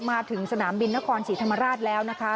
มาถึงสนามบินนครศรีธรรมราชแล้วนะคะ